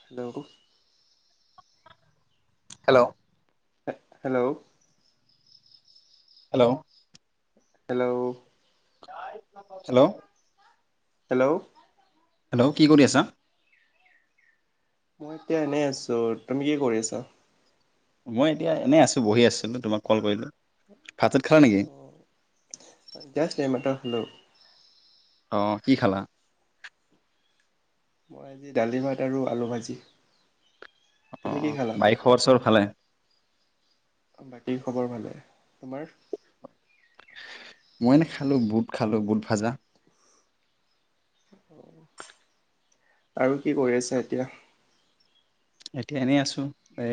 Hello hello hello hello hello hello hello hello কি কৰি আছা? মই এতিয়া এনেই আছো। তুমি কি কৰি আছা? মই এতিয়া এনেই আছো বহি আছিলোঁ তোমাক কল কৰিলোঁ। ভাত চাত খালা নেকি? অ জাছ্ত এইমাত্ৰ হেল্ল' অ কি খালা? মই আজি দালি ভাত আৰু আলু ভাজি। তুমি কি অ' খালা? বাই খবৰ চবৰ ভালে? বাকীৰ খবৰ ভালে? তোমাৰ মই নেখালো বুট খালো, বুট ভাজা। আৰু কি কৰি আছা এতিয়া এতিয়া এনেই আছো এ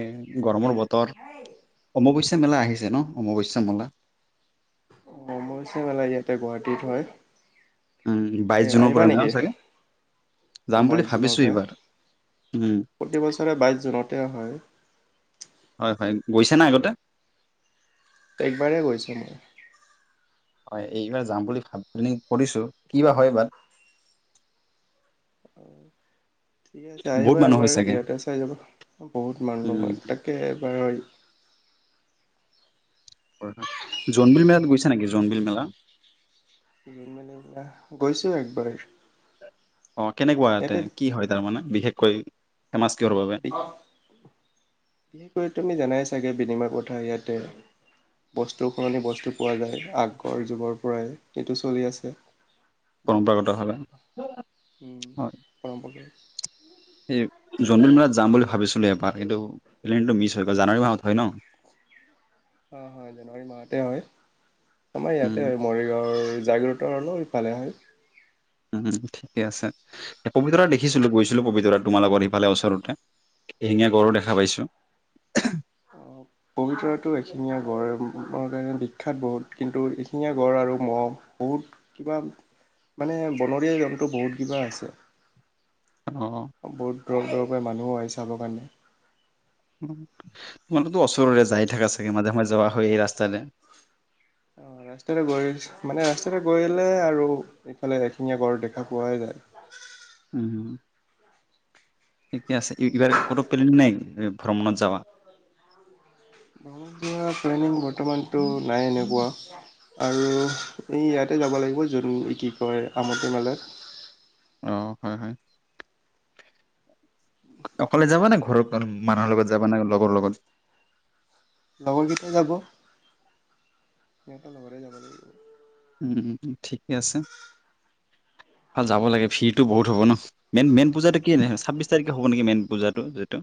গৰমৰ বতৰ তৰ অমাবস মেলা আহিছে ন অমাৱস্য মেলা। অ মই চ মালা ইয়াতে গুৱাহাটীত হয়। উম, বাইশ জুনৰ পৰা আহিবা ন নেকি? চাগে? যাম অ বুলি বাইছ জুনৰ ভাবিছোঁ পৰা এইবাৰ। উম, প্ৰতিবছৰে বাইছ জুনতে হয়। হয় হয় গৈছে নাই আগতে একবাৰে গৈছো মই হয় এইবাৰ যাম বুলি ভাবি কৰিছো কি বা হয় বাট। ঠিক আছে বহুত আহিবা মানুহ হয় এবাৰ চাগে। ইয়াতে চাই যাবা। বহুত মানুহ উম, হয় তাকে এবাৰ হয় হয় জোনবিল মেলাত গৈছে নেকি জোনবিল মেলা জা গৈছো একবাৰ। অ কেনেকুৱা ইয়াতে কি হয় তাৰমানানে বিশেষ। কৈ বিশেষকৈ তমি জানাই চাগে বিনিময় প্ৰথা ইয়াতে বস্তু সলনি বস্তু পোৱা যায়, আগৰ যুগৰ পৰাই এটো চলি আছে। বহুত পৰম্পৰাগত হলে উম হয় পৰম্পৰা হয় স জমিন মেলাত যাম বুলি ভাবিছিলোঁ এবাৰ কিন্তু প্লেইনটো মিছ হৈ গ' জানুৱাৰী মাহত হয় ন। অ হয় জানুৱাৰী মাহতে হয়। আমাৰ উম ইয়াতে হয় মৰিগাঁওৰ। জাগ্ৰত হলৰ ইফালে হয়। উম ঠিকে আছে। পবিতৰা দেখিছিলো গৈছিলো পবিতৰা তোমাৰ লগত ভালে ওচৰতে। এশিঙীয়া গঁড়ৰো দেখা পাইছো পবিত্ৰতো এশিঙীয়া গঁড় কাৰণে বিখ্যাত বহুত কিন্তু এশিঙীয়া গঁড় আৰু মহ' বহুত কিবা মানে বনৰীয়া জন্তু বহুত কিবা আছে। অ দূৰক দুৰৱকৈ মানুহো আহি চাবৰ কাৰণে। তোমালো ওচৰৰে যায় থাকা চাগে মাজে মাজে যোৱা হয় এই ৰাস্তাৰে অ ৰাস্তাতে গৈ মানে ৰাস্তাতে গৈলে আৰু ইফালে এশিঙীয়া গড়ৰ দেখা পোৱাই যায় উম এই আছে এইবাৰ ক'তো পেলেণ্ট নাই ভ্ৰমনত যাৱা [unintelligible] প্লেনিং [unintelligible] বৰ্তমানতটো নাই এনেকুৱা। আৰু এই ইয়াতে যাব লাগিব যত এ কি কয় আমটি মেলাত। অ হয় হয়। অকলে যাবা নে ঘৰৰ কনো মানুহৰ লগত যাবা নে লগৰ লগত? লগৰকেইটা যাব। সিহঁতৰ লগৰে যাব লাগিব। উম ঠিকে আছে। ভাল যাব লাগে ভিৰটো বহুত হ'ব ন? মেন- মেন পূজাটো কি এনে হয়? ছাব্বিছ তাৰিখে হ'ব নেকি মেইন পূজাটো যিটো।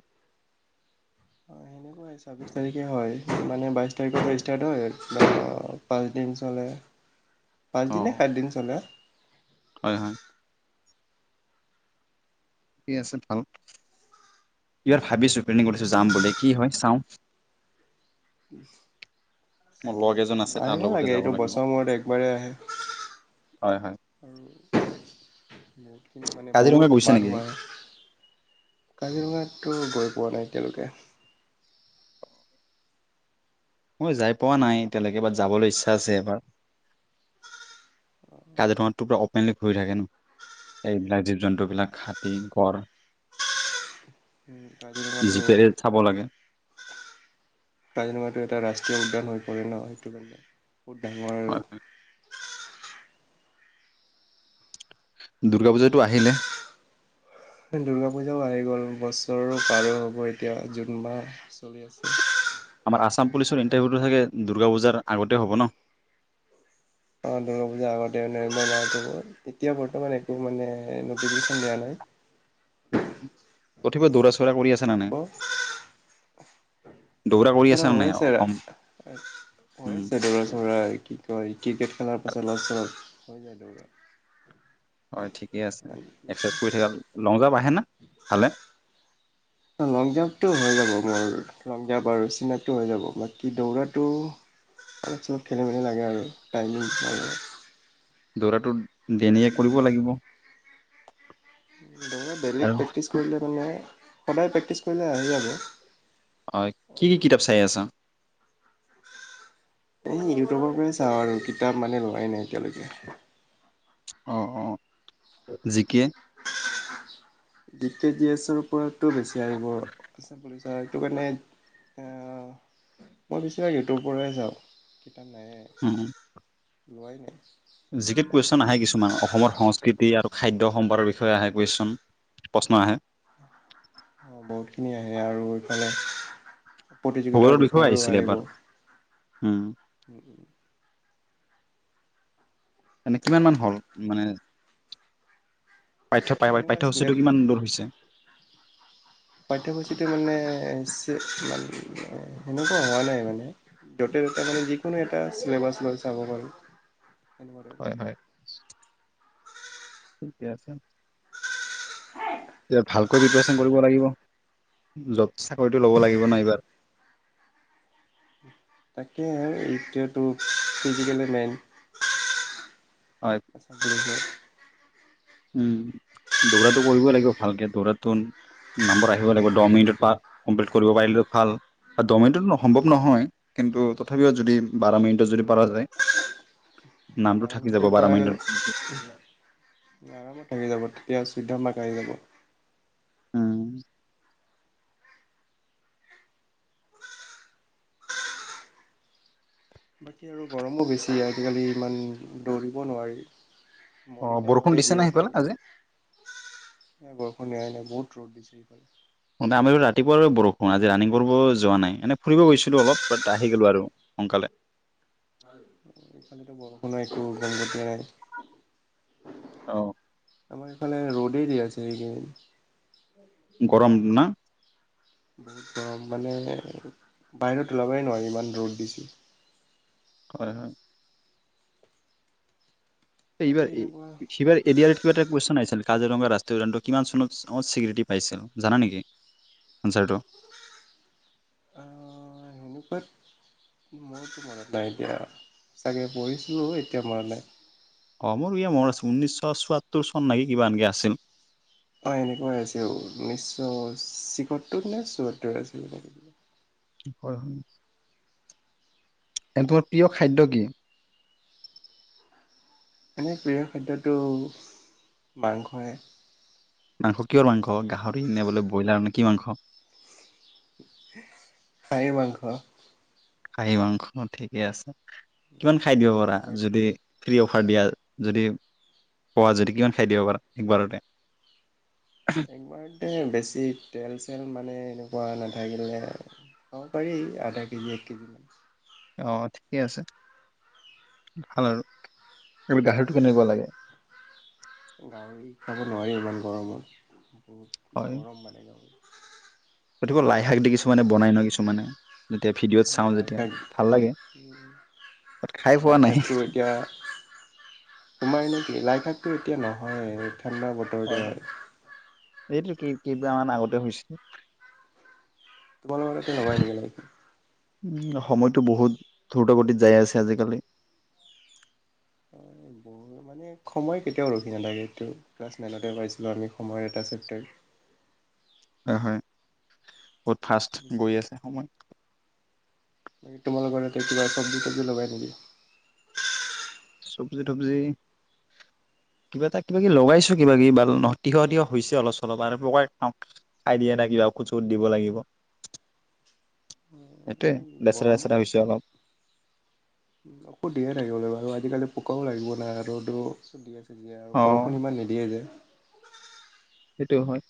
অ সেনেকুৱাই ছাব্বিছ তাৰিখে হয়। মানে বাইছ তাৰিখৰ পৰা ষ্টাৰ্ট পাঁচদিন চলে। পাঁচ অ দিনে নে সাত দিন চলে? হয় হয়। [unintelligible] আছে ভাল। ইবাৰ ভাবিছো প্লেনিং কৰিছো যাম বুলি কি হয় চাও। মোৰ লগ এ আহিব লাগে এইটো বছৰ মূৰত একবাৰেেই আহে। হয় হয় আৰু খিনি মানে কাজিৰঙা বহুত গৈছে নেকি মানুহ হয়। কাজিৰঙাত গৈ পোৱা নাই এতিয়ালৈকে। মই যাই পোৱা নাই এতিয়ালৈকে বাত যাবলৈ ইচ্ছা আছে এবাৰ। [unintelligible] ঘুৰি থাকে ন? এইবিলাক জীৱ জন্তুবিলাক হাতী, গড়। উম, কাজিৰঙাটো জিপেৰে চাব লাগে। কাজিৰঙাটো এটা ৰাষ্ট্ৰীয় উদ্যান হৈ পৰে ন সেইটো কাৰণে। বহুত ডাঙৰ হয় হয় আৰু দুৰ্গা পূজাতো আহিলে দুৰ্গা পূজাও আহি গ'ল, বছৰো পাৰো হ'ব এতিয়া। জুন মাহ চলি আছে। আচাম পুলিচৰ ইণ্টাৰভিউটো চাগে দুৰ্গা পূজাৰ আগতে হ'ব ন? অ দুৰ্গা পূজাৰ আগতে দিব এতিয়া বৰ্তমান একো মানে নটিফিকেশ্যন দিয়া নাই। কত উম দিব। দৌৰা দৌৰা কৰি চৌৰা নে নাই হৈ আছে ৰা অসম - আ হৈ উম। আছে দৌৰা চৌৰা কি কয় কিৰকেট খেলাৰ পাছত অলপ চলপ হৈ যায় দৌৰা। হয় ঠিকে আছে। এক্সাৰচাইজ কৰি থাকা। লং জাপ আহে না ভালে? লং জাম্পটো হৈ যাব মোৰ। লং জাম্প আৰু চিন আপটো হৈ যাব বাকী, দৌৰাটো অলপ চলপ খেলি মেলি লাগে আৰু টাইমিং দৌৰাটো দেনিয়ে কৰিব লাগিব। বেলেগ আৰু প্ৰেক্টিচ কৰিলে মানে সদায় প্ৰেক্টিছ কৰিলে আহি যাব। অই কি কি কিতাপ চাই আছ? এই ইউটিউবৰ পৰা চাওঁ আৰু কিতাপ মানে লোৱাই নাই এতিয়ালৈকে অ অ জিকিয় ডি কে জি এছৰ ওপৰতো বেছি আহিব আছে বুলি সেইটো কাৰণে মই বেছিভাগ ইিউটোৰ পৰাই যাওঁ এ নাই লোৱাই নাই যিকে কোৱেশ্ন আহে কিছুমান অসমৰ সংস্কৃতি আৰু খাদ্য সম্পাদৰ বিষয়ে আহে কোৱেশ্ন প্ৰশ্ন আহে বহুতখিনি আহে আৰু এইফালে ভূগোলৰ প্ৰতিযোগিতাৰ বিষয়েও আহিছিলে এবাৰ আহিব উম উম উম এনে কিমান মান হ'ল মানে পাঠ্য প সেনেকুৱা পাঠ্যসূচীটো আছিলে কিমান দূৰ হৈছে পাঠ্যসূচীটো মানে সেনেকুৱা হোৱা নাই মানে য'তে ত মে যিকোনো এ চবাছ ল চাব পাৰো হয় হয় ঠিকে আছে ভালকৈ প্ৰিপেচন কৰিব লাগিব যত চাকৰিটো ল'ব লাগিব ন এইবাৰ তাকেই আৰু ইটটো ফিজিকেলি মেইন হয় আচ হব [unintelligible] উম দৌৰাটো কৰিবই লাগিব ভালকে দৌৰাটো নাম্বৰ আহিব লাগিব দহ মিনিটত বা কমপ্লিট কৰিব পাৰিলে ভাল দহ মিনিটত সম্ভৱ নহয় কিন্তু তথাপিও যদি বাৰ মিনিটত যদি পৰাাৰ যায় নামটো বাৰ থাকি যাব মিনিটত পৰা গ'লে বাৰামাইণ্ডৰ আৰামত থাকি যাব তেতিয়া চৌধ্য মাক আহি যাব উম বাকী আৰু গৰমো বেছি আজিকালি ইমান দৌৰিব নোৱাৰি অ মণি বৰষুণ টাইমতে দিছে যীয় না সেইফালে আজি পাৰি বৰষু এৰানাই ন বহুত ৰ'দ বিছে ‌এই ফালে মানে আমি ৰাতিপুৱাাৰে বৰফ কোনো আজি ৰানিং কৰিব যোৱা নাই এনেই ফুৰিব গৈছিলো অলপ আহি গলো আৰু সোনকালে এইফালিতো বৰষুণো একো ঘঘতিয়া নাই অ আমাৰফালে ৰোডেই আছে এইকেইদিন গৰম না গৰম হ'লে বাহিৰত ওলাবই নোৱাৰি ইমান ৰ'দ দিছি হয় হয় বাকী এনেকুৱা এইবাৰবাৰ এডিয়াৰিত কিবা এটা কোৱেশন আহিছিলে কাজিৰঙা ৰাষ্ট্ৰীয় উদানটো কিমান চনত অত স্বীকৃতি পাইছিল জানা নেকি আনঞ্চাৰটো? আহ তেনেকুৱাত মোৰতো মনত নাই এতিয়া চাগে পঢ়িছোও এতিয়া মনত নাই অ মোৰো ই মৰাচ ঊনৈছশ চুয়ত্তৰ চন লাগি কিবা এনকে আছিল অ এনেকুৱাই আছিল নিশ্চয় চিকটোত নে চষটো আছিল হয় এন্তে প্ৰিয় খাদ্য কি? এনেই প্ৰিয় খাদ্যটো মাংসই মাংস কিয়ৰ মাংস গাহৰি নে বোলে ব্ৰইলাৰ নে কি মাংস গাহৰি মাংস খাঁহী মাংস ন ঠিকে আছে কিমান খাই দিব এনে পাৰা তোমাৰ যদি ফ্ৰী অফাৰ দিয়া যদি পোৱা যদি কিমান খাই দিয়িবাৰ একবাৰতে একবাৰতে বেছি তেল চেল মানে তেনেকুৱা নাথাকিলে খাব পাৰি আধা কেজি এক কেজিমান অ ঠিকে আছে ভাল আৰু এই গাহীৰটো কেনেকুৱা লাগে? গাহৰি খাব নোৱাৰি ইমান গৰমত বহুত গৰম মানে গাহৰি গতিকে লাই কিছুমানে বনাই ন কিছুমানে যেতিয়া ভিডিঅ'ত অ চাওঁ লাই যেতিয়া শাক ভাল লাগে খাই পোৱা লাই নাই শাকটো এতিয়া তোমাৰ এনেই কি লাইশাকটো এতিয়া নহয় ঠাণ্ডা বতৰ হয় যে হয় এইটো কি কবামানআগতে হৈছিল তোমালোকৰ তাতে লগাই দিব লাগিব উ সময়টো বহুত দ্ৰুত গতিত যাই আছে আজিকালি ব মানে সময় কেতিয়াও ৰখি নালাগে এইটো ক্লাছ নাইনতে পাইছিলোঁ আমি সময়ৰ এটা চেপটাৰ হয় বহুত ফা্ষষ্ট গৈ আছে সময় ন তোমালোকৰ ততে কিবা চব্জি তব্জি লগাই নেকি? চবজি তবজি কিবা এটা কিবা কি লগাইছো কিবা কি বা তিয়হ তিয়হ হৈছে অলপ চলপ আৰু প্ৰকাৰ খাই দিয়ে নাই কিবা ঔুখদ দিব লাগিব সেইটোৱে বেচৰা গৰম লেচৰা হৈছে অলপ আকৌ দিয়ে থাকিব লাগিব আৰু আজিকালি পোকও লাগিব নাই ৰ'দো দিয় গতিকে আৰু অ বৰষুণ ইমান নিদিয়ে যে সেইটো হয়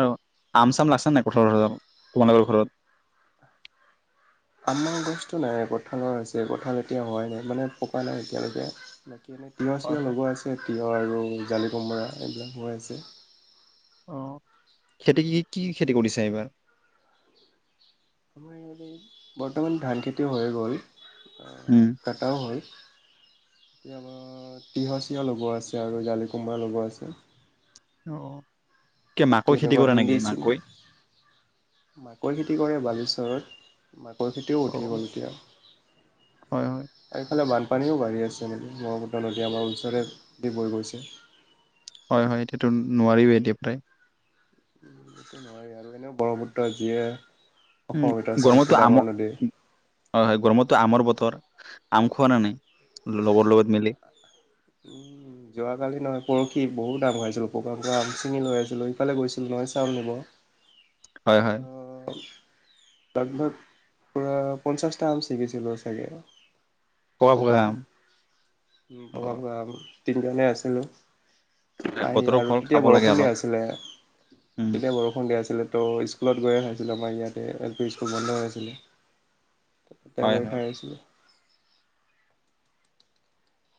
আৰু আমচ নাই কঁঠাল যথাল তোমালোকৰ ঘৰত আমৰ গছতটো নাই কঠালৰ আছে কঠাল এতিয়া হোৱাই নাই মানে পকা নাই এতিয়ালৈকে এনে তিয়হ হয় চিয়হ হয় লগোৱা আছে এটি তিয়হ আৰু জালি কোমৰা এইবিলাক হৈ আছে আহ খেতি কি কি খেতি কৰিছে এইবাৰ? আমাৰ ইয়াতে বৰ্তমান ধান খেতি হৈ গ'ল। অ' উম কটাও হয় তীয়হ চিয়হ লগোৱা আছে আৰু জালি কোমৰা লগোৱা আছে। অ' অ' বাকী এনেকুৱা ভেন্দি চেন্দি মাকৈ খেতি কৰে বাৰু পাছত পৰিস্থিতিও অ উঠি গ'ল হয় হয় এতিয়াফালে ব পানীও বাঢ়ি আছে মানে ব্ৰহ্মপুত্ৰ নদী আমাৰ ওচৰে দি বৈ গৈছে। হয় হয় এতিয়াতো নোৱাৰিবেই এতিয়া প্ৰায় উ সেইটো নোৱাৰি আৰু এনেও ব্ৰহ্মপুত্ৰ যিয়ে উম অসমত চবতকৈ গৰমতো আম ডাঙৰ নদী। হয় হয় গৰমতো আমৰ বতৰ বতৰ আম খোৱা নানাই লগৰ লগত মিলি উম যোৱাকালি নহয় পৰহি বহুত আম হৰাইছিলো পকা আমচিঙি লৈ আহিছিলো ইফালে গৈছিলো নহয় চাওল নিব হয় হয় ত লগভক ভাগ পুৰা পঞ্চাশটা আম ছিঙিছিলো চাগে পকা আম আম অ পকা পকা আম তিনিজনে আছিলোঁ। আহি বতৰৰ আৰু ফল তেতিয়া খাব লাগে বৰষুণ দিয়া অলপ আছিলে উম তেতিয়া বৰষুণ দিয়া আছিলে ত' স্কুলত গৈয়ে খাইছিলোঁ আমাৰ ইয়াতে এল পি স্কুল বন্ধ হৈ আছিলে। তাতে হয় বহি হয় খাইছিলো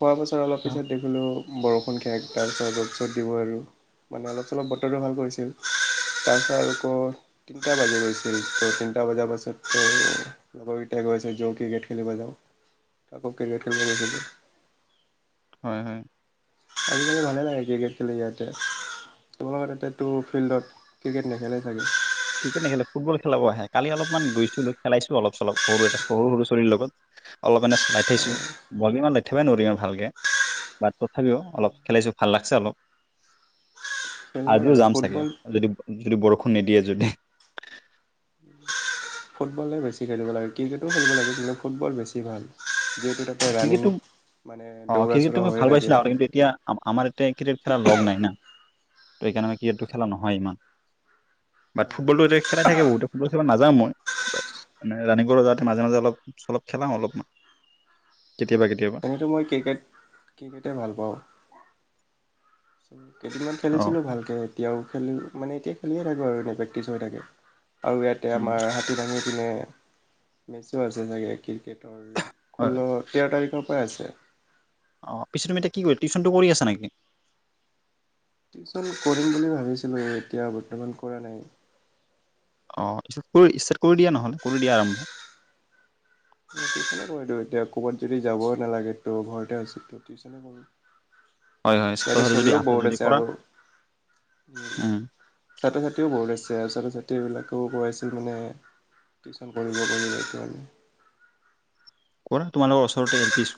খোৱাৰ পাছত অলপ পিছত দেখিলোঁ‌। বৰষুণ খেদ তাৰপিছত য'ত য'ত দিব আৰু মানে অলপ চলপ বতৰটো ভাল কৰিছিল। তাৰপিছত আকৌ তিনিটা বাজি গৈছিল ত' তিনিটা বজাৰ পাছত লগৰকেইটায়া গৈ আছে য' ক্ৰিকেট খেলিব যাওঁ আকৌ ক্ৰিকেট খেলিব গৈছিলো হয় হয় আজিকালি ভালে লাগে ক্ৰিকেট খেলে ইয়াতে তোমালোকত তাতে তো ফিল্ডত ক্ৰিকেট নেখেলে চাগে ক্ৰিকেট নেখেলে ফুটবল খেলাব আহে। কালি অলপমান গৈছো খেলাইছো অলপ চলপ সৰু এটা সৰু সৰু লৰা ছোৱালীৰ লগত অলপ মানে চলাই থাইছো বল ইমান লাই থিবই নোৱাৰি ইমান ভালকে তথাপিও অলপ খেলাইছো ভাল লাগছে অলপ খেলিব আজিও লাগে যাম চাগে ফুটবল যদি যদি বৰষুণ বৰষুণ নিদিয়ে যদি ফুটবলে বেছি খেলিব লাগে ক্ৰিকেটো খেলিব লাগে কিন্তু ফুটবল বেছি ভাল তাতে ৰানিং ক্ৰিকেটটো মানে অ' দৌৰা চৌৰা ক্ৰিকেটটো আমি হৈয়ে ভাল থাকে পাইছিলা আৰু কিন্তু এতিয়া আমাৰ ইতিয়া ক্ৰিকেট খেলাৰ লগ নাই ন ত সেইকাৰণে মানে ক্ৰিকেটটো খেলা নহয় ইমান বা ফুটবলটো এতিয়া খেলাই থাকে বহুতে ফুটবল খেলিব নাযাঁ‌ও মই। বা ৰানিং কৰিব যাওঁতে মাজে মাজে অলপ চলপ খেলাওঁ অলপমান। এনেতো মই ক্ৰিকেট ক্ৰিকেটেই ভাল পাওঁ। চ [inaudible] কেইদিনমান অ', খেলিছিলোঁ ভালকৈ এতিয়াও খেলো মানে এতিয়া খেলিয়ে থাকো আৰু এনেই প্ৰেক্টিচ হৈ থাকে আৰু ইয়াতে উম, আমাৰ হাতী দাঙী নে মেচো আছে চাগে ক্ৰিকেটৰ হয়। ষোল্ল তেৰ তাৰিখৰ পৰা আছে অ পিছত তুমি এতিয়া কি কৰি টিউশচনটো কৰি আছা নেকি টিউচন কৰিম বুলি ভাবিছিলো এতিয়া বৰ্তমান কৰা নাই অ ত ষ্টাৰ্ট কৰি দিয়া নহলে কৰি দিয়া আৰম্ভ তিউচনে কৰাই দিওঁ এতিয়া কবাত যদি যাব নালাগে ত ঘৰতে আছে হয়, হয় ছাত্ৰ লৰা ছাত্ৰী যদি ছোৱালীও আছা বহুত যদি আছে কৰা আৰু উ উম, ছাত্ৰ ছাত্ৰীও বহুত আছে ছাত্ৰ ছাত্ৰীবিলাকেও কইছিল মানে টিউচন কৰিব প কৰা তোমালোক ওচৰতে এল পি‌ স্কুল